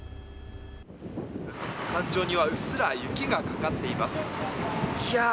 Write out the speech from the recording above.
山頂にはうっすら雪がかかっています。